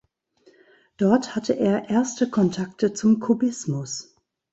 Dort hatte er erste Kontakte zum Kubismus.